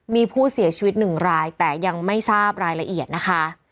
มีผู้เสียชีวิตหนึ่งรายแต่ยังไม่ทราบรายละเอียดนะคะ